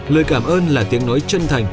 lời cảm ơn là tiếng nói chân thành